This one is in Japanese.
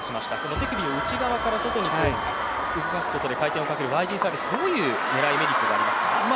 手首の内側から外に動かすことで回転をかけるＹＧサービスどういうメリットがありますか？